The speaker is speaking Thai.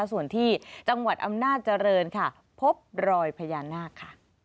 ส่วนที่จังหวัดอำนาจเจริญค่ะพบรอยพญานาคค่ะ